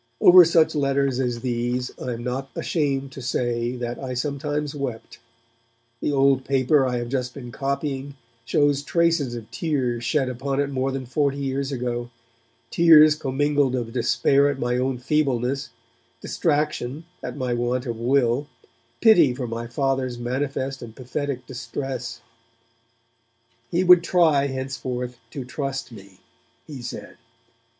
Over such letters as these I am not ashamed to say that I sometimes wept; the old paper I have just been copying shows traces of tears shed upon it more than forty years ago, tears commingled of despair at my own feebleness, distraction, at my want of will, pity for my Father's manifest and pathetic distress. He would 'try henceforth to trust' me, he said.